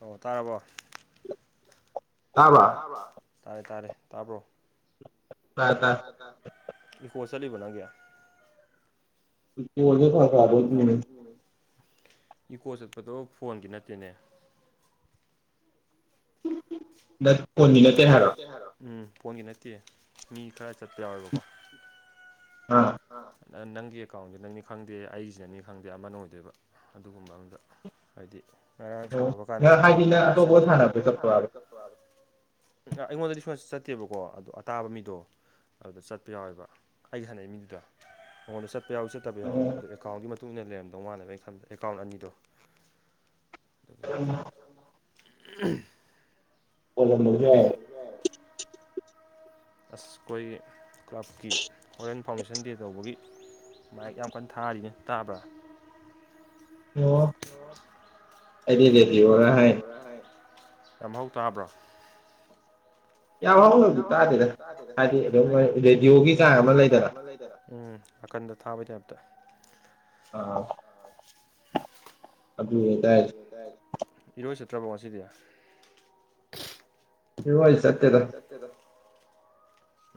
ꯑꯣ ꯇꯔꯕ ꯥꯕ꯭ꯔ ꯇꯥꯔꯦ ꯇꯥꯔꯦ ꯇꯥꯕ꯭ꯔꯣ ꯀꯣ ꯁꯂꯤꯕꯅꯒ ꯣꯒꯥꯗꯣꯅꯦ [unintelligible] ꯏꯀꯣ ꯆꯠꯄꯗꯣ ꯐꯣꯟꯗꯤ ꯅꯠꯇꯦꯅꯦ ꯐꯣꯟꯅꯤ ꯅꯠꯇꯦ ꯍꯥꯏꯔꯣ ꯎꯝ ꯐꯣꯟꯒꯤ ꯅꯠꯇꯦ ꯃꯤ ꯈꯔ ꯆꯠꯄ ꯌꯥꯎꯋꯦꯕꯀꯣ ꯅꯪꯒꯤ ꯑꯦꯀꯥꯎꯟꯗꯨꯅꯅꯦ ꯈꯪꯗꯦ ꯑꯩꯁꯤꯅꯅꯤ ꯈꯪꯗꯦ ꯑꯃꯅ ꯑꯣꯏꯗꯣꯏꯕ ꯑꯗꯨꯒꯨꯝꯕ ꯑꯝꯗ ꯍꯥꯏꯗꯤ ꯉꯔꯥꯡ ꯁꯥꯟꯅꯕ ꯀꯥꯟꯗ ꯃꯤꯒ ꯆꯠꯇꯦꯅ ꯑꯩꯉꯣꯟꯗꯗꯤ ꯁꯨꯡꯅ ꯆꯠꯇꯦꯕꯀꯣ ꯑꯗꯣ ꯑꯇꯥꯕ ꯃꯤꯗꯣ ꯑꯗꯨꯗ ꯆꯠꯄ ꯌꯥꯎꯋꯦꯕ ꯑꯩꯒꯤ ꯍꯥꯟꯅꯩ ꯃꯤꯗꯨꯗ ꯃꯉꯣꯟꯗ ꯆꯠꯄ ꯌꯥꯎꯋꯤ ꯆꯠꯇꯕ ꯌꯥꯎꯋꯦꯕ ꯑꯗꯨ ꯑꯦꯀꯥꯎꯟꯒꯤ ꯇꯨꯅ ꯂꯩꯔꯝꯗꯧ ꯃꯥꯟꯅꯕ ꯑꯩꯅ ꯈꯟꯗ ꯑꯦꯀꯥꯎꯟ ꯑꯅꯤꯗꯣ ꯑꯗꯨꯒꯤ ꯃꯇꯨꯡ [unintelligible] ꯑꯁ ꯑꯩꯈꯣꯏ ꯀ꯭ꯂꯕꯀꯤ ꯍꯔꯦꯟ ꯐꯥꯎꯟꯗꯦꯁꯟ ꯗꯦ ꯇꯧꯕꯒꯤ ꯃꯌꯦꯄ ꯌꯥꯝ ꯀꯟꯅ ꯊꯥꯔꯤꯅꯤ ꯇꯥꯕ꯭ꯔꯥ ꯑꯣ ꯑꯩꯗꯤ ꯂꯦꯗꯤ ꯑꯣꯔ ꯍꯥꯏꯔꯤꯅꯦ ꯌꯥꯝ ꯍꯧ ꯇꯥꯕ꯭ꯔꯥ ꯌꯥꯝ ꯍꯥꯎꯅꯗꯤ ꯆꯥꯗꯦꯗ ꯍꯥꯏꯗꯤ ꯑꯗꯨ ꯔꯦꯗꯤꯑꯣꯒꯤ ꯀꯥꯏ ꯑꯃ ꯂꯩꯗꯅ ꯀꯟꯗ ꯊꯥꯕꯩ ꯇꯥꯏꯞꯇ ꯑꯥ ꯑꯗꯨ ꯑꯣꯏ ꯇꯥꯏ ꯇ꯭ꯔꯕꫭ ꯉꯁꯤꯗꯤ ꯐꯦꯕ꯭ꯋꯥꯔꯤ ꯆꯠꯇꯦꯗ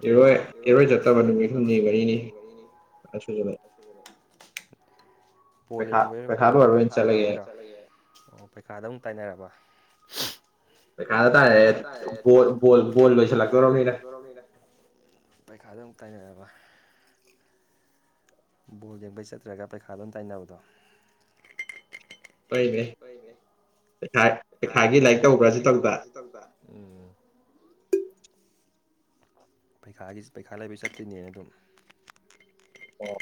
ꯎꯝ ꯏꯔꯣꯏ ꯏꯔꯣꯏ ꯆꯠꯇꯕ ꯅꯨꯃꯤꯠ ꯍꯨꯝꯅꯤ ꯃꯔꯤꯅꯤ ꯑꯁꯃ ꯄꯣꯜ ꯌꯦꯡꯕꯔꯣ ꯀꯩꯅꯣ ꯄꯩꯈꯥꯒꯤꯔꯣ ꯄꯩꯈꯥꯗ ꯑꯃꯨꯛ ꯇꯥꯏꯅꯔꯕ ꯄꯩꯈꯥꯗ ꯇꯥꯔꯦ ꯕꫭꯜ ꯕꫭꯜ ꯕꫭꯜ ꯂꫭꯏꯁꯜꯂꯛ ꯇꫭꯔꯝꯅꯤꯅ ꯄꯩꯈꯥꯗ ꯇꯥꯏꯅꯔꯕ ꯕꯣꯜ ꯌꯦꯡꯕꯩ ꯆꯠꯇ꯭ꯔꯒ ꯄꯩꯈꯥꯗ ꯗꯨꯝ ꯇꯥꯏꯅꯕꯗꯣ ꯍꫭꯏꯅꯦ ꯄꯩꯈꯥ ꯄꯩꯈꯥꯒꯤ ꯂꯥꯏꯔꯤꯛ ꯇꯧꯕ꯭ꯔꯥ ꯁꯨ ꯇꯧꯗ ꯄꯩꯈꯥꯒꯤ ꯄꯩꯈꯥ ꯂꯩꯕꯩ ꯆꯠꯇ꯭ꯔꯤꯅꯦꯅ ꯑꯗꯨꯝ ꯑꫭ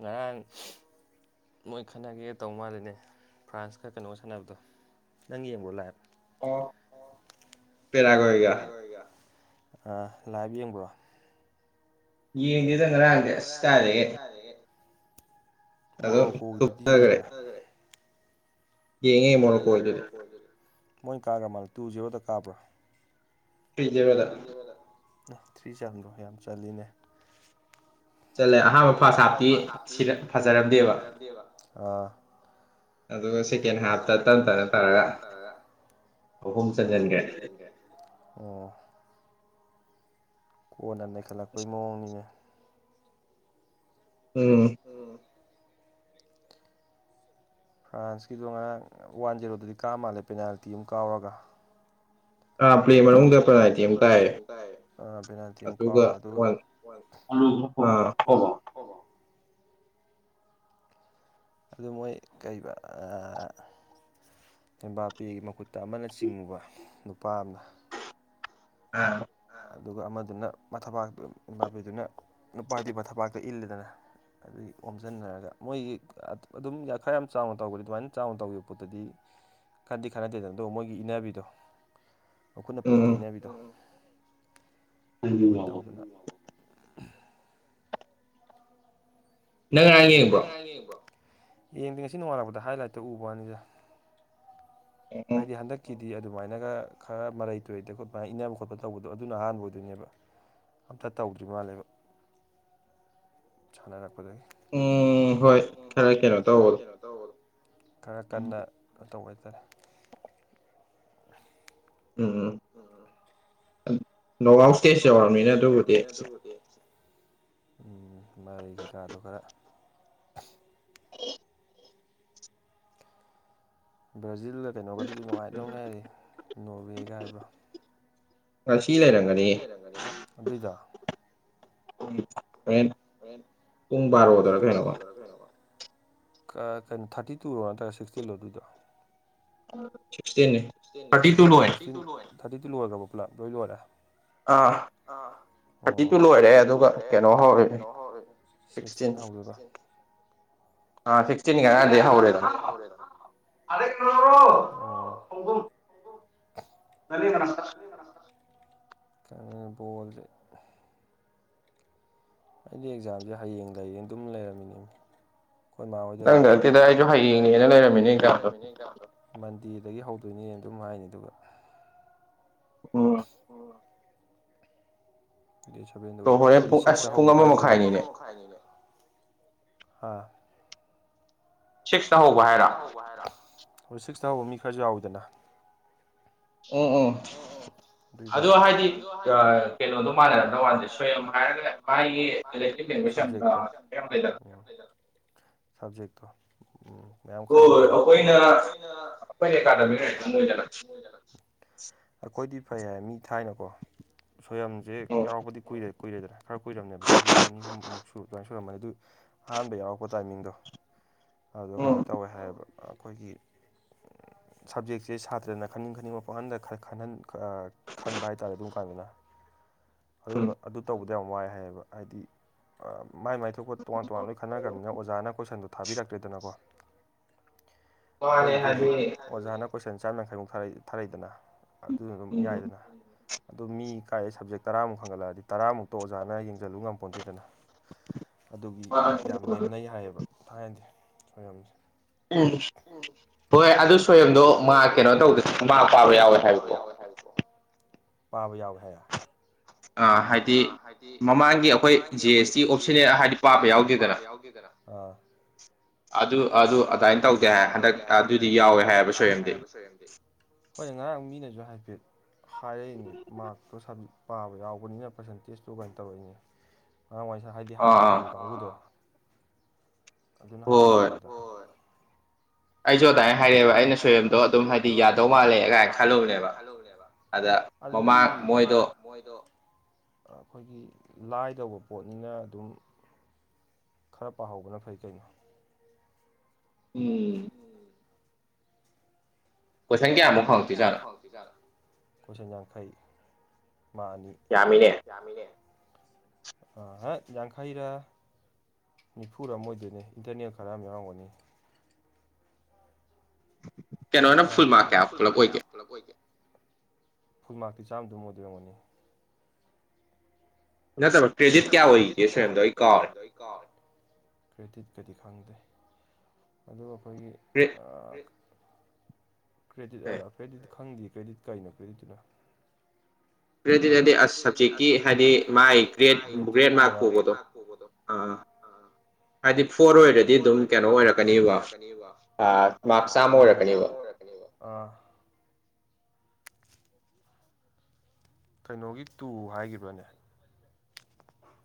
ꯉꯔꯥꯡ ꯃꯣꯏ ꯈꯟꯅꯒꯦ ꯇꯧ ꯃꯥꯜꯂꯤꯅꯦ ꯐ꯭ꯔꯥꯟꯁꯀ ꯀꯩꯅꯣꯒ ꯁꯥꯟꯅꯕꯗꯣ ꯅꯪ ꯌꯦꯡꯕ꯭ꯔꫭ ꯂꯥꯏꯕ ꯑꯣ ꯄꯦꯔꯥꯒ꯭ꯋꯦꯒ ꯑ ꯂꯥꯏꯕ ꯌꯦꯡꯕ꯭ꯔꯣ ꯌꯦꯡꯗꯦꯗ ꯉꯔꯥꯡꯗꯤ ꯑꯁ ꯀꯗꯥꯏꯗꯒꯤ ꯃꯣꯔꯣꯀꯣꯒꯤꯗꯨꯗꯤ ꯌꯦꯡꯕ꯭ꯔꯥ ꯌꯦꯡꯉꯦ ꯃꫭꯔꫭꯀꫭꯒꯤꯗꯨꯗꯤ ꯃꯣꯏꯅ ꯀꯥꯈ꯭ꯔ ꯃꯥꯜꯂꯦ ꯇꯨ ꯖꯦꯔꯣꯗ ꯀꯥꯕ꯭ꯔꫭ ꯊ‌꯭ꯔꯤ ꯖꯦꯔꫭꯗ ꯑ ꯊ꯭ꯔꯤ ꯆꯟꯕ꯭ꯔꯣ ꯌꯥꯝ ꯆꯜꯂꯤꯅꯦ ꯆꯜꯂꯦ ꯑꯍꯥꯥꯟꯕ ꯐꯁ ꯍꯥꯞꯇꯤ ꯁꯤꯗ ꯐꯖꯔꯝꯗꯦꯕ ꯑꯗꯨꯒ ꯁꯦꯀꯦꯟ ꯍꯥꯞꯇ ꯇꯞ ꯇꯞꯅ ꯇꯔꯒ ꯑꯍꯨꯝ ꯆꯪꯖꯟꯒ꯭ꯔꯦ ꯑꯣ ꯀꯣꯟꯅ ꯅꯩꯈꯠꯂꯛꯄꯩ ꯃꯑꯣꯡꯅꯤꯅꯦ ꯎꯝ ꯐ꯭ꯔꯥꯟꯁꯀꯤꯗꯣ ꯉꯔꯥꯡ ꯋꯥꯟ ꯖꯦꯔꯣꯗꯗꯤ ꯀꯥ ꯃꯥꯜꯂꯦ ꯄꯦꯅꯥꯜꯇꯤ ꯑꯃ ꯀꯥꯎꯔꯒ ꯑ ꯄ꯭ꯂꯦ ꯃꯅꯨꯡꯗ ꯄꯦꯅꯥꯜꯇꯤ ꯑꯝ ꯇꯥꯏꯌꯦ ꯑ ꯄꯦꯅꯥꯜꯇꯤ ꯑꯝ ꯀꯥꯎꯔꯒ ꯕ꯭ꯂꯨ ꯑ ꯄꫭꯒꫭ ꯑꯗꯨ ꯃꯣꯏ ꯀꯩꯕ ꯑꯥ ꯏꯝꯕꯥꯄꯦꯒꯤ ꯃꯈꯨꯠꯇ ꯑꯃꯅ ꯆꯤꯡꯉꯨꯕ ꯅꯨꯄꯥ ꯑꯃꯅ ꯑꯥ ꯑꯗꯨꯒ ꯑꯃꯗꯨꯅ ꯃꯊꯕꯥꯛꯇ ꯏꯝꯕꯥꯄꯦꯗꯨꯅ ꯅꯨꯄꯥꯗꯨ ꯃꯊꯕꯥꯛꯇ ꯏꯜꯂꯤꯗꯅ ꯑꯗꯨꯒꯤ ꯑꯣꯝꯖꯤꯟꯅꯔꯒ ꯃꯣꯏꯒꯤ ꯑꯗꯨꯝ ꯈꯔ ꯌꯥꯝ ꯆꯥꯎꯅ ꯇꯧꯈ꯭ꯔꯗꯤ ꯑꯗꯨꯃꯥꯏꯅ ꯆꯥꯎꯅ ꯇꯧꯈꯤꯕ ꯄꯣꯠꯇꯨꯗꯤ ꯈꯟꯗꯤ ꯈꯥꯟꯅꯗꯦꯗꯅ ꯑꯗꯨꯒ ꯃꯣꯏꯒꯤ ꯏꯅꯕꯤꯗꯣ ꯃꯈꯨꯠꯅ ꯄꯪ ꯏꯟꯗ ꯏꯟꯅꯕꯤꯗꯣ ꯑꯗꯨꯒ ꯇꯧꯗꯅ ꯇꯧꯕꯅꯤ ꯅꯪ ꯉꯔꯥꯡ ꯌꯦꯡꯕ꯭ꯔꫭ ꯌꯦꯡꯗꯦ ꯉꯁꯤ ꯅꫭꯡꯉꯥꯜꯂꯛꯄꯗ ꯍꯥꯏ ꯂꯥꯏꯠꯇ ꯎꯕ꯭ꯋꯥꯅꯤꯗ ꯍꯥꯏꯗꯤ ꯍꯟꯗꯛꯀꯤ ꯗꯤ ꯑꯗꯨꯃꯥꯏꯅꯒ ꯈꯔ ꯃꯔꯩ ꯇꯨꯔꯩꯗ ꯈꯣꯠꯄ ꯍꯥꯏ ꯏꯟꯅꯕ ꯈꯣꯠꯄ ꯇꯧꯕꯗꯣ ꯑꯗꯨꯅ ꯑꯍꯥꯟꯕ ꯑꯣꯏꯗꯣꯏꯅꯦꯕ ꯑꯝꯇ ꯇꯧꯗ꯭ꯔꯤ ꯃꯥꯜꯂꯦꯕ ꯁꯥꯟꯅꯔꯛ ꯎꯝ ꯍꯣꯏ ꯈꯔ ꯀꯩꯅꯣ ꯇꯧꯕ ꯈꯔ ꯀꯟꯅ ꯇꯧꯕ ꯍꯥꯏꯇꯥꯔꯦ ꯎꯝ ꯅꫭꯛ ꯑꯥꯎꯠ ꯏꯁꯇꯦꯖ ꯌꯧꯔꯕꯝꯅꯤꯅ ꯑꯗꯨꯕꯨꯗꯤ ꯎꯝ ꯃꯔꯩ ꯀꯩꯀꯥꯗꯣ ꯈꯔ ꯕ꯭ꯔꯥꯖꯤꯜꯒ ꯀꯩꯅꯣꯒꯗꯨꯁꯨ ꯅꯨꯡꯉꯥꯏꯗꯧꯅꯦ ꯍꯥꯏꯔꯤꯌꯦ ꯅꯣꯔꯋꯦꯒ ꯍꯥꯏꯕ꯭ꯔꫭ ꯉꯁꯤ ꯂꯩꯔꯝꯒꯅꯤꯌꯦ ꯑꯗꯨꯏꯗꫭ ꯍꫭꯔꯦꯟ ꯄꯨꯡ ꯕꯥꯔꯣꯗꯔꯥ ꯀꯩꯅꯣꯝꯃ ꯀ ꯀꯩꯅꯣ ꯊꯥꯔꯇꯤ ꯇꯨꯔꯣ ꯅꯠꯇ꯭ꯔꯒ ꯁꯤꯛꯁꯇꯤꯟ ꯂꯣ ꯑꯗꯨꯗꯣ ꯁꯤꯁꯇꯤꯟ ꯊꯥꯔꯇꯤ ꯇꯨ ꯂꯣꯏ ꯊꯥꯔꯇꯤꯗꯤ ꯂꯣꯏꯈ꯭ꯔꯕ ꯄꯨꯂꯞ ꯂꯣꯏ ꯂꯣꯏꯔꯦ ꯑꯣ ꯊꯥꯔꯇꯤ ꯇꯨ ꯂꯣꯏꯔꯦ ꯑꯗꯨꯒ ꯀꯩꯅꯣ ꯍꯧꯔꯦ ꯁꯤꯛꯁꯇꯤꯟ ꯍꯧꯒ [inaudible] ꯑ ꯁꯤꯇ ꯍꯥꯎꯔꯦ ꯒꯅꯤ ꯉꯔꯥꯡ ꯀ ꯣꯜꯗ ꯑꯩꯗꯤ ꯑꯦꯛꯖꯥꯝꯁꯦ ꯍꯌꯦꯡ ꯂꯩꯌꯦꯡ ꯑꯗꯨꯝ ꯂꯩꯔꯝꯃꯤꯅꯦ ꯑꯩꯈꯣꯏꯃꯥꯣꯏꯗꯒꯦ ꯍꯌꯦꯡ ꯂꯩꯔꯝꯃꯤꯟꯗꯦ ꯑꯗꯨꯏꯅꯦꯅ ꯑꯗꯨꯝ ꯍꯥꯏꯅꯤ ꯑꯗꯨꯒ ꯑꯣ ꯁꯚꯦꯟꯗ ꯑꯣꯏ ꯑꯗꯨꯕꯨꯗꯤ ꯁꯤꯛꯁꯇ ꯍꯧꯕ ꯈꯔꯁꯨ ꯌꯥ ꯍꯥ ꯁꯤꯛꯁꯇ ꯍꯧꯕ ꯍꯥꯏꯔ ꯍꯧꯖꯤꯛ ꯁꯤꯛꯁꯇ ꯍꯧꯕ ꯃꯤ ꯈꯔꯁꯨ ꯌꯥꯎꯋꯤꯗꯅ ꯎꯝ ꯎꯝ ꯑꯗꯣ ꯍꯥꯏꯗꯤ ꯀꯩꯅꯣꯗꯣ ꯃꯥꯟꯅꯔꯝꯗ ꯋꯥꯥꯟꯁꯦ ꯁꯣꯏꯌꯝ ꯍꯥꯏꯔꯒ ꯃꯥ ꯔꯦꯁꯤ ꯄꯝ ꯁꯕꯖꯦꯛꯦꯛꯛꯇ ꯍꯣꯏ ꯑꯩꯈꯣꯏꯅ ꯑꯩꯈꯣꯏꯅ ꯑꯦꯀꯥꯗꯃꯤꯛ ꯔ ꯑꯣꯏꯗꯅ [inaudible] ꯑꯩꯈꯣꯏꯗꯤ ꯐꯩ ꯍꯥꯏ ꯃꯤ ꯊꯥꯏꯅꯀꯣ ꯁꯣꯏꯔꯝꯁꯦ ꯌꯥꯎꯔꯛꯄꯗꯤ ꯀꯨꯏꯔꯦ ꯀꯨꯏꯔꯣꯏꯗꯅꯥ ꯈꯔ ꯀꯨꯏꯔꯝꯅꯦꯕ ꯆꯍꯤ ꯑꯅꯤ ꯑꯃꯨꯛ ꯁ ꯑꯗꯨꯃꯥꯏ ꯁꯨꯔꯃꯅꯤ ꯑꯗꯨ ꯑꯍꯥꯟꯕ ꯌꯥꯎꯔꯛꯄ ꯇꯥꯏꯃꯤꯡꯗꯣ ꯑꯗꯨꯒ ꯀꯩꯅꯣ ꯇꯧꯋꯦ ꯍꯥꯏꯌꯦꯕ ꯑꯩꯈꯣꯏꯒꯤ ꯁꯕꯖꯦꯛꯁꯦ ꯁꯥꯇ꯭ꯔꯅ ꯈꯟꯅꯤꯡ ꯈꯅꯤꯡꯕ ꯋꯥꯈꯟꯗ ꯈꯟ ꯈꯟꯕ ꯍꯥꯏꯇꯥꯔꯦ ꯑꯗꯨꯝ ꯀꯥꯟꯗꯨꯅ ꯑꯗꯨꯗꯨ ꯑꯗꯨ ꯇꯧꯕꯗ ꯌꯥꯝ ꯋꯥꯏ ꯍꯥꯏꯌꯦꯕ ꯍꯥꯏꯗꯤ ꯃꯥꯏ ꯃꯥꯏꯊꯣꯛꯄ ꯇꯣꯉꯥꯟ ꯇꯣꯉꯥꯟ ꯂꯣꯏ ꯈꯟꯅꯈ꯭ꯔꯕꯅꯤꯅ ꯑꯣꯖꯥꯅ ꯀꯣꯏꯁꯟꯗꯣ ꯊꯥꯕꯤꯔꯛꯇ꯭ꯔꯦꯗꯅꯀꯣ ꯑꯩꯈꯣꯏꯒꯤꯗꯤ ꯍꯧꯖꯤꯛ ꯑꯣꯖꯥꯅ ꯀꯣꯏꯁꯟ ꯆꯥꯝꯃ ꯌꯥꯡꯈꯩꯃꯨꯛ ꯊꯥꯔꯛꯏꯗꯅ ꯑꯗꯨꯅ ꯑꯗꯨꯝ ꯌꯥꯏꯗꯅ ꯑꯗꯣ ꯃꯤ ꯀꯥꯏꯑꯦ ꯁꯞꯖꯦꯛ ꯇꯔꯥꯃꯨꯛ ꯈꯟꯒꯠꯂꯛꯑꯗꯤ ꯇꯔꯥꯃꯨꯛꯇ ꯑꯣꯖꯥꯅꯡꯁꯤꯜꯂꯨ ꯉꯝꯄꯟꯗꯦꯗꯅ ꯑꯗꯨꯒꯤ ꯃꯍꯥꯛ ꯌꯥꯝ ꯅꯦꯝꯅꯩ ꯍꯥꯏꯌꯦꯕ ꯊꯥꯏꯅꯗꯤ ꯁꯣꯏꯝꯁꯦ ꯎꯝ ꯍꯣꯏ ꯑꯗꯨ ꯁꯣꯏꯝꯗꯣ ꯃꯥ ꯀꯩꯅꯣ ꯇꯧꯗ ꯀꯣ ꯇ ꯃꯥ ꯄꯥꯕ ꯌꯥꯎꯋꯦ ꯍꯥꯏꯕꯣ ꯄꯥꯕ ꯌꯥꯎꯋꯦ ꯍꯥꯏꯔ ꯍꯥꯏꯗꯤ ꯃꯃꯥꯡꯒꯤ ꯑꯩꯈꯣꯏ ꯖꯤ ꯑꯦꯁ ꯇꯤ ꯑꯣꯞꯁꯟꯅꯦꯜ ꯍꯥꯏꯕꯗꯤ ꯄꯥꯕ ꯌꯥꯎꯗꯦꯗꯅ ꯑꯥ ꯑꯗꯨ ꯑꯗꯨ ꯑꯗꯨꯃꯅ ꯇꯧꯗꯦ ꯍꯥꯏ ꯍꯟꯗꯛ ꯑꯗꯨꯗꯤ ꯌꯥꯎꯋꯦ ꯍꯥꯏꯕ ꯁꯣꯏꯔꯦꯡꯗꯤ ꯍꯣꯏ ꯉꯔꯥꯡ ꯃꯤꯅꯁꯨ ꯍꯥꯏꯐꯦꯠ ꯍꯥꯏꯔꯛꯏꯅꯦ ꯃꯥꯔꯇꯣ ꯄꯥꯕ ꯌꯥꯎꯕꯅꯤꯅ ꯄꯥꯔꯁꯦꯟꯇꯦꯖꯇꯨ ꯀꯥꯏꯅ ꯇꯧꯔꯛꯏꯅꯦ ꯃꯔꯥꯡꯋꯥꯏꯁꯤ ꯍꯥꯏꯗꯤ ꯍꯥꯟꯅ ꯊꯥꯈꯤꯕ ꯀꯥꯡꯕꯨꯗꯣ ꯑꯗꯨꯅ ꯍꯥꯏꯐꯦꯔ ꯍꯥꯏꯕꯗꯣ ꯑꯩꯁꯨ ꯑꯗꯨꯗꯥꯏꯅ ꯍꯥꯏꯔꯛꯑꯦꯕ ꯑꯩꯅ ꯁꯣꯏꯕꯦꯝꯗꯣ ꯑꯗꯨꯝ ꯍꯥꯏꯗꯤ ꯌꯥꯗꯧ ꯃꯥꯜꯂꯦ ꯃꯥꯂꯒꯥꯏ ꯈꯜꯍꯧꯅꯦꯕ ꯑꯗꯨ ꯃꯣꯏꯗꯣ ꯑꯩꯈꯣꯏꯒꯤ ꯂꯥꯏꯗꯧꯕ ꯄꯣꯠꯅꯤꯅ ꯑꯗꯨꯝ ꯈꯔ ꯄꯥꯍꯧꯕꯅ ꯐꯩ ꯀꯩꯅꯣ ꯎꯝ ꯀꯣꯏꯁꯟ ꯀꯌꯥꯃꯨꯛ ꯐꯪꯉꯛꯇꯣꯏꯖꯥꯠꯅꯣ ꯀꯣꯏꯁꯟ ꯌꯥꯡꯈꯩ ꯃꯥ ꯑꯅꯤ ꯌꯥꯝꯃꯤꯅꯦ ꯌꯥꯡꯈꯩꯔ ꯅꯤꯐꯨꯔ ꯑꯃ ꯑꯣꯏꯗꯣꯏꯅꯦ ꯏꯟꯇꯔꯅꯦꯠ ꯈꯔ ꯌꯥꯝ ꯌꯥꯎꯔꯝꯒꯅꯤ ꯀꯩꯅꯣ ꯐꯨꯜ ꯃꯥ ꯀꯦ ꯐꯂ ꯑꯣꯏꯒꯦ ꯐꯨꯠꯃꯥꯛꯛꯇꯤ ꯆꯥꯝꯗꯨꯃꯣꯗꯤꯡꯒꯅꯤ ꯅꯠꯇꯕ ꯀ꯭ꯔꯦꯗꯤꯠ ꯀꯌꯥ ꯑꯣꯏꯒꯦ ꯁꯗ ꯑꯩ ꯀꯥꯔꯗ ꯀ꯭ꯔꯦꯗꯤꯠꯀꯗꯤ ꯈꯪꯗꯦ ꯑꯗꯨ ꯑꯩꯈꯣꯏꯒꯤ ꯀ꯭ꯔꯦꯗꯤꯠ ꯍꯥꯏꯔꯥ ꯀ꯭ꯔꯦꯗꯤꯠꯇ ꯈꯪꯗꯦ ꯀ꯭ꯔꯦꯗꯤꯠ ꯀꯩꯅꯣ ꯀ꯭ꯔꯦꯗꯤꯠꯇꯨꯅ ꯀ꯭ꯔꯦꯗꯤꯠ ꯍꯥꯏꯗꯤ ꯑꯁ ꯁꯕꯖꯦꯛꯀꯤ ꯍꯥꯏꯗꯤ ꯃꯥꯏ ꯒ꯭ꯔꯦꯠ ꯒ꯭ꯔꯦꯗ ꯃꯥꯔꯛ ꯀꯧꯕꯗꯣ ꯑꯥ ꯍꯥꯏꯗꯤ ꯐꯣꯔ ꯑꯣꯏꯔꯗꯤ ꯑꯗꯨꯝ ꯀꯩꯅꯣ ꯑꯣꯏꯔꯛꯀꯅꯦꯕ ꯃꯥꯔꯛ ꯆꯥꯝꯃ ꯑꯣꯏꯔꯛꯀꯅꯤꯕ [unintelligible] ꯑꯥ ꯀꯩꯅꯣꯒꯤ ꯇꯨ ꯍꯥꯏꯈꯤꯕ꯭ꯔꯅꯦ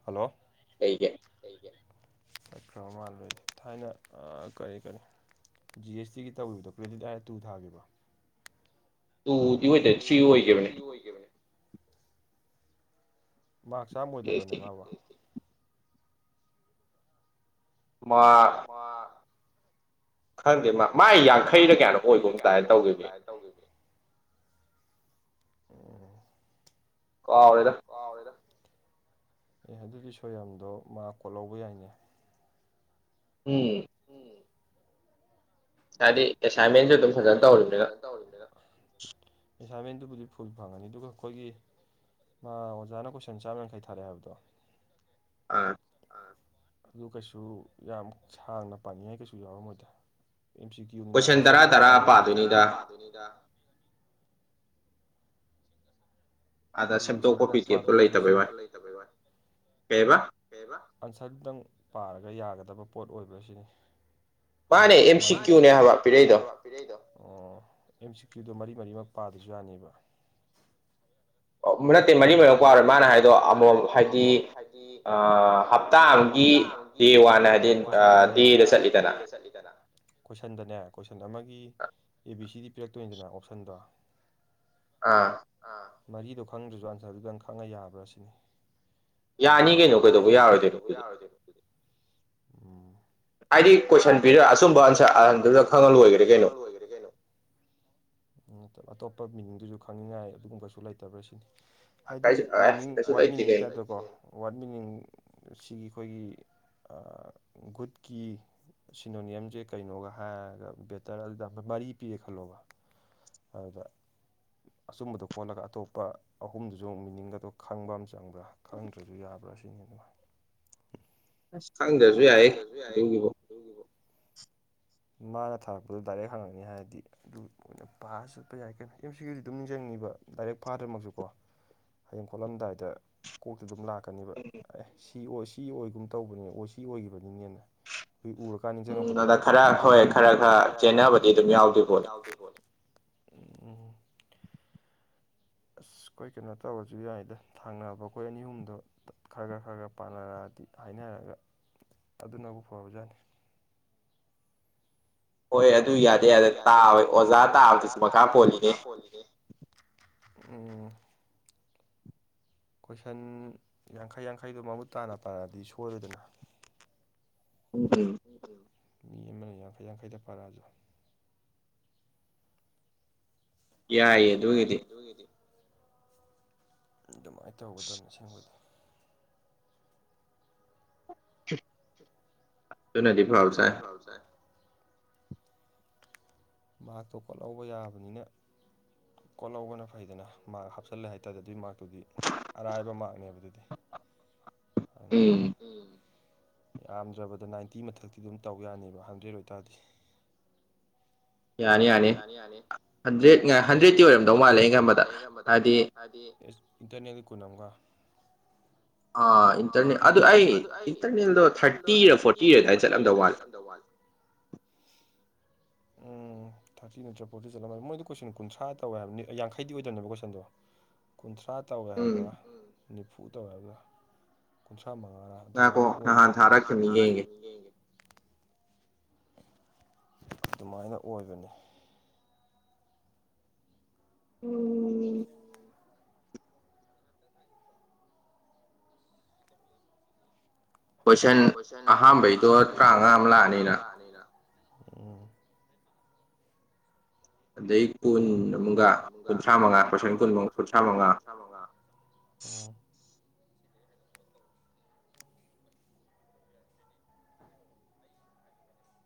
ꯍꯜꯂꯣ ꯀꯩꯒꯤ ꯆꯈ꯭ꯔ ꯃꯥꯜꯂꯣꯏ ꯊꯥꯏꯅ ꯀꯔꯤ ꯀꯔꯤ ꯖꯤ ꯑꯦꯁ ꯇꯤꯒꯤ ꯇꯧꯔꯤꯕꯗꯣ ꯀ꯭ꯔꯦꯗꯤꯠ ꯑꯥꯔ ꯇꯨ ꯊꯥꯈꯤꯕ ꯇꯨꯗꯤ ꯑꯣꯏꯗꯦ ꯊ꯭ꯔꯤ ꯑꯣꯏꯈꯤꯕꯅꯦ ꯃꯥ ꯆꯥꯝꯃꯣꯏꯗꯕ꯭ꯔꯅꯦ ꯃꯥꯕ ꯃꯥ ꯈꯪꯗꯦ ꯃꯥ ꯃꯥꯏ ꯌꯥꯡꯈꯩꯔ ꯀꯌꯥꯅꯣ ꯑꯣꯏꯒꯨꯝ ꯇꯥꯏꯅ ꯇꯧꯈꯤꯕꯈꯤꯕ ꯎꯝ ꯀꯥꯎꯔꯦꯗ ꯑꯦ ꯑꯗꯨꯒꯤ ꯁꯣ ꯌꯥꯝꯗꯣ ꯃꯥ ꯀꯣꯠ ꯂꯧꯕ ꯌꯥꯏꯅꯦ ꯎꯝ ꯎꯝ ꯍꯥꯏꯗꯤ ꯑꯦꯁꯥꯏꯟꯃꯦꯟꯁꯨ ꯑꯗꯨꯝ ꯐꯖꯅ ꯇꯧꯔꯤꯕꯅꯤꯒ ꯑꯦꯟꯁꯥꯃꯦꯟꯗꯨꯕꯨꯗꯤ ꯐꯨꯜ ꯐꯪꯉꯅꯤ ꯑꯗꯨꯒ ꯑꯩꯈꯣꯏꯒꯤ ꯃꯥ ꯑꯣꯖꯥꯅ ꯀꯣꯏꯁꯟ ꯆꯥꯝꯃ ꯌꯥꯡꯈꯩ ꯊꯥꯔꯦ ꯍꯥꯏꯕꯗꯣ ꯑꯥ ꯑꯗꯨ ꯀꯩꯁꯨ ꯌꯥꯝ ꯁꯥꯡꯅ ꯄꯥꯅꯤꯡꯉꯥꯏ ꯀꯩꯁꯨ ꯌꯥꯎꯔꯝ ꯃꯣꯏꯗ ꯑ ꯁꯤ ꯀ ꯌꯨꯝꯗ ꯑꯟꯁꯔꯗꯨꯏ ꯀ꯭ꯋꯦꯁꯟ ꯇꯔꯥ ꯇꯔꯥ ꯄꯥꯗꯣꯢꯅꯤꯅ ꯀꯣꯏ ꯌꯥꯅꯤꯁꯗ ꯐꯗ ꯂꯩ ꯇꯕ ꯑꯟꯁꯔꯇꯪ ꯄꯥꯔꯒ ꯌꯥꯒꯗ ꯐꯠꯇꯕ ꯄꯣꯠ ꯑꯣꯏꯕ ꯁꯤꯅꯤ ꯍꯥꯏꯗꯤ ꯍꯥꯏ ꯑꯣ ꯑꯦꯝ ꯁꯤ ꯀ꯭ꯌꯨꯗꯨ ꯃꯔꯤ ꯃꯔꯤꯃꯛ ꯄꯥꯗꯁꯨ ꯌꯥꯅꯦꯕ ꯅꯠꯇꯦ ꯃꯔꯤ ꯃꯔꯛ ꯄꯔꯦ ꯃꯥꯅ ꯍꯥꯏꯗꯣ ꯑꯃꯣꯝ ꯍꯥꯏꯗꯤꯞꯇꯥ ꯇ ꯀꯣꯏꯁꯟꯗꯅꯦ ꯀꯣꯏꯁꯟ ꯑꯃꯒꯤ ꯒꯤ ꯑꯦ ꯕꯤ ꯁꯤꯗꯤ ꯄꯤꯔꯛꯇꯣꯏꯅꯤꯗꯅ ꯑꯣꯞꯁꯟꯗꯣ ꯑꯥ ꯃꯔꯤꯗꯣ ꯈꯪꯗ꯭ꯔꯁꯨ ꯑꯟꯁꯔꯗꯨꯗꯪ ꯈꯪꯉ ꯌꯥꯕ꯭ꯔꯥ ꯁꯤꯅꯤ ꯌꯥꯅꯤ ꯀꯩꯅꯣ ꯀꯩꯗꯧꯕ ꯌꯥꯔꯣꯏꯗꯣꯏꯅꯣ ꯑꯗꯨꯗꯤ ꯎꯝ ꯍꯥꯏꯗꯤ ꯀꯣꯏꯁꯟ ꯄꯤꯔ ꯑꯆꯨꯝꯕ ꯑꯟꯁꯔ ꯑꯗꯨꯗ ꯈꯪꯍꯜꯂꯣꯏꯒꯔꯦ ꯀꯩꯅꯣ ꯅꯠꯇ ꯑꯇꯣꯞꯄ ꯃꯤꯅꯤꯡꯗꯨꯁꯨ ꯈꯪꯅꯤꯡꯉꯥꯏ ꯑꯗꯨꯒꯨꯝꯕꯁꯨ ꯂꯩꯇꯕ꯭ꯔꯥ ꯁꯤꯅꯤ ꯍꯥꯏꯗꯤ ꯃꯤꯅꯤꯡ ꯋꯥꯔꯗ ꯃꯤꯅꯤꯡꯒꯤ ꯇꯥꯏꯞꯇꯀꯣ ꯋꯥꯔꯗ ꯃꯤꯅꯤꯡ ꯁꯤꯒꯤ ꯑꯩꯈꯣꯏꯒꯤ ꯇꯀꯤ ꯁꯤꯅꯣꯅꯤꯌꯝꯁꯦ ꯀꯩꯅꯣꯒ ꯍꯥꯏꯔꯒ ꯕꯦꯇꯔ ꯑꯗꯨꯗ ꯃꯔꯤ ꯄꯤꯒꯦ ꯈꯜꯂꯣꯕ ꯑꯗꯨꯗ ꯑꯆꯨꯝꯕꯗꯣ ꯀꯣꯜꯂꯒ ꯑꯇꯣꯞꯄ ꯑꯍꯨꯝꯗꯨꯁꯨ ꯃꯤꯅꯤꯡꯒꯗꯣ ꯈꯪꯕ ꯑꯃ ꯆꯪꯕ꯭ꯔꯥ ꯈꯪꯗ꯭ꯔꯁꯨ ꯌꯥꯕ꯭ꯔꯥ ꯁꯤꯅꯤ ꯑꯗꯨꯃꯥꯏ ꯈꯪꯗ꯭ꯔꯁꯨ ꯌꯥꯏ ꯑꯗꯨꯒꯤꯕꯨ [inaudible] ꯃꯥꯅ ꯊꯥꯔꯛꯄꯗꯨ ꯗꯥꯏꯔꯦꯛ ꯍꯪꯉꯅꯤ ꯍꯥꯏꯔꯗꯤ ꯑꯗꯨ ꯄꯥꯔꯁꯨ ꯆꯠꯄ ꯌꯥꯏꯩꯅꯣ ꯑꯦꯝ ꯁꯤꯒꯤꯗꯤ ꯑꯗꯨꯝ ꯅꯤꯡꯖꯩ ꯍꯌꯦꯡ ꯈꯣꯠꯂꯝꯗꯥꯏꯗ ꯀꯣꯛ ꯂ ꯀ ꯀꯅꯤꯕ ꯑꯦ ꯁꯤ ꯑꯣ ꯁꯤ ꯑꯣꯏꯒꯨꯝ ꯇꯧꯕꯅꯦ ꯑꯣ ꯁꯤ ꯑꯣꯏꯈꯤꯕꯅꯤꯅꯦꯅ ꯑꯩ ꯎꯔꯀꯥꯟ ꯅꯤꯡꯁꯤꯡꯉꯛꯄꯗꯣ ꯑꯗꯨ ꯈꯔ ꯍꯣꯏ ꯈꯔ ꯈꯔ ꯆꯦꯟꯅꯕꯗꯤ ꯑꯗꯨꯝ ꯌꯥꯎꯗꯦ ꯄꯣꯅꯦ ꯎ ꯑꯁ ꯑꯩꯈꯣꯏ ꯀꯩꯅꯣ ꯇꯧꯔꯁꯨ ꯌꯥꯏꯗ ꯊꯥꯡꯅꯕ ꯑꯩꯈꯣꯏ ꯑꯅꯤ ꯑꯍꯨꯝꯗꯣ ꯈꯔ ꯈꯔ ꯈꯔ ꯈꯔ ꯄꯥꯟꯅꯔꯛꯑꯒ ꯍꯥꯏꯗꯤ ꯍꯥꯏꯅꯔꯒ ꯑꯗꯨꯅꯕꯨ ꯐꯕꯖꯥꯠꯅꯤ ꯍꯣꯏ ꯑꯗꯨ ꯌꯥꯗꯦ ꯑꯗ ꯇꯥꯕꯣꯏ ꯑꯣꯖꯥ ꯇꯥꯕꯗꯨꯁꯨ ꯃꯈꯥ ꯄꯣꯜꯂꯤꯅꯦ ꯎꯝ ꯀꯣꯏꯁꯟ ꯌꯥꯡꯈꯩ ꯌꯥꯡꯈꯩꯗꯣ ꯃꯃꯨꯠ ꯇꯥꯅ ꯄꯥꯔꯗꯤ ꯁꯣꯏꯔꯣꯏꯗꯅ ꯃꯤ ꯑꯃꯅ ꯌꯥꯡꯈꯩ ꯌꯥꯡꯈꯩꯗ ꯄꯥꯔꯛꯑꯁꯨ ꯌꯥꯏꯌꯦ ꯑꯗꯨꯒꯤꯗꯤ ꯑꯗꯨꯃꯥꯏꯅ ꯇꯧꯒꯗꯕ ꯅꯤꯡꯁꯕꯗꯤ ꯇ ꯅ ꯐꯥꯎ ꯆ ꯃꯍꯥꯛꯇꯣ ꯈꯣꯠꯍꯧꯕ ꯌꯥꯕꯅꯤꯅ ꯀꯣꯜꯍꯧꯧꯕꯅ ꯐꯩꯗꯅ ꯃꯥꯔꯛ ꯍꯥꯞꯆꯜꯂꯦ ꯍꯥꯏꯇꯥꯥꯔꯗꯤ ꯑꯗꯨꯒꯤ ꯃꯥꯔ ꯑꯗꯨꯗꯤ ꯑꯔꯥꯏꯕ ꯃꯥꯛꯅꯦꯕ ꯑꯗꯨꯗꯤ ꯑꯗꯨꯅ ꯍꯥꯏ ꯌꯥꯝꯗ꯭ꯔꯕꯗ ꯅꯥꯏꯟꯇꯤ ꯃꯊꯛꯇꯤ ꯑꯗꯨꯝ ꯇꯧ ꯌꯥꯅꯦꯕ ꯍꯟꯗ꯭ꯔꯦꯗ ꯑꯣꯏꯇꯥꯔꯗꯤ [inaudible] ꯌꯥꯅꯤ ꯌꯥꯅꯤ ꯍꯟꯗ꯭ꯔꯦꯠ ꯉ ꯍꯟꯗ꯭ꯔꯦꯗꯀꯤꯤ ꯑꯣꯏꯔꯝꯗꯧ ꯃꯥꯜꯂꯦ ꯑꯩꯅ ꯉꯟꯝꯕꯗ ꯍꯥꯏꯗꯤ ꯏꯇꯔꯅꯦ ꯑꯗꯨ ꯈꯨꯅꯒ ꯑꯥ ꯏꯟꯇꯔꯅꯦꯜ ꯑꯗꯨ ꯑꯩ ꯏꯟꯇꯔꯅꯦꯜꯗꯣ ꯊꯥꯔꯇꯤꯔ ꯐꯣꯔꯇꯤꯔ ꯑꯗꯨꯋꯥꯏꯗ ꯆꯠꯂꯝꯗ ꯋꯥꯠꯂꯦ ꯎꯝ ꯊꯥꯔꯇꯤ ꯅꯠꯇ꯭ꯔꯒ ꯐꯣꯔꯇꯤ ꯆꯠꯂꯝꯅꯤ ꯃꯣꯏꯗ ꯀꯣꯏꯁꯟ ꯀꯨꯟꯊ꯭ꯔꯥ ꯇꯧꯋꯦꯕ ꯌꯥꯡꯈꯩꯗꯤ ꯑꯣꯏꯗꯕꯅꯦꯕ ꯀꯣꯏꯁꯟꯗꯣ ꯀꯨꯟꯊ꯭ꯔꯥ ꯇꯧꯋꯦ ꯍꯥꯏꯕ꯭ꯔꯥ ꯅꯤꯐꯨ ꯇꯧꯋꯦ ꯍꯥꯏꯕ꯭ꯔꯥ ꯃꯉꯥ ꯑꯗꯨꯃꯥꯏꯅ ꯑꯣꯏꯕ ꯑꯗꯨꯃꯥꯏꯅ ꯑꯣꯏꯕꯅꯤ ꯎꯝ ꯀꯣꯏꯁꯟ ꯑꯍꯥꯝꯕꯩꯗꯣ ꯇꯔꯥꯃꯉꯥ ꯑꯃ ꯂꯥꯛꯑꯅꯤꯅ ꯑꯗꯩ ꯀꯨꯟ ꯑꯃꯒ ꯀꯨꯟꯊ꯭ꯔꯥ ꯃꯉꯥ ꯄꯔꯁꯟ ꯀꯨꯟꯃꯨꯛ ꯀꯨꯟꯊ꯭ꯔꯥ ꯃꯉꯥ ꯎꯝ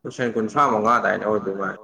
ꯂꯤꯁ ꯀꯨꯟꯊ꯭ꯔꯥ ꯃꯉꯥ ꯑꯗꯨꯗꯥꯏꯗ ꯑꯣꯏ ꯑꯗꯨꯃꯅꯤ